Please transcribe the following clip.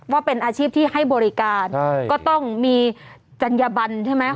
ว่าเป็นอาชีพที่ให้บริการก็ต้องมีจัญญบันใช่ไหม